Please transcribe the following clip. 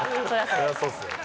そりゃそうっすよ。